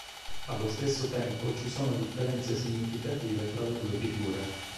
Allo stesso tempo, ci sono differenze significative tra le due figure.